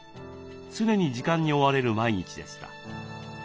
常に時間に追われる毎日でした。